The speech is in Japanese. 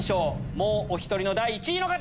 もうお１人の第１位の方！